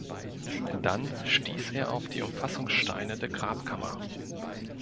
Dann stieß er auf die Umfassungssteine der Grabkammer.